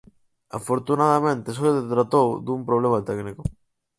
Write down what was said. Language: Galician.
Afortunadamente só se tratou dun problema técnico.